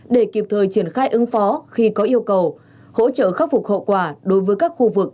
để kịp thời triển khai ứng phó khi có yêu cầu hỗ trợ khắc phục hậu quả đối với các khu vực